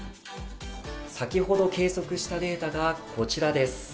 先ほど計測したデータがこちらです。